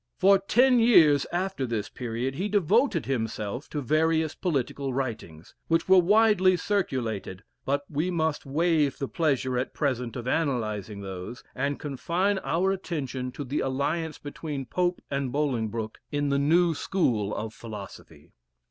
For ten years after this period, he devoted himself to various political writings, which were widely circulated; but we must waive the pleasure at present of analyzing those, and confine our attention to the alliance between Pope and Bolingbroke, in the new school of philosophy.